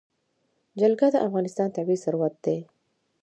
جلګه د افغانستان طبعي ثروت دی.